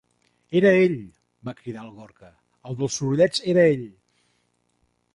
Era ell! —va cridar el Gorka— El dels sorollets era ell!